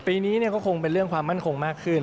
ปีนี้ก็คงเป็นเรื่องความมั่นคงมากขึ้น